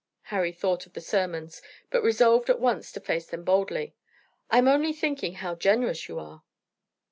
Harry thought of the sermons, but resolved at once to face them boldly. "I am only thinking how generous you are."